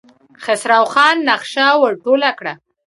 خسرو خان نخشه ور ټوله کړه.